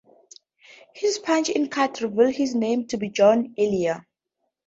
His punch-in card reveals his name to be John Earle.